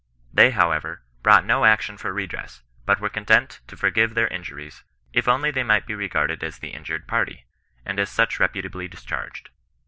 They, however, brought no action for redress, but were content to forgive their injuries, if only they might be regarded as the injured party, and as such reputably discharged.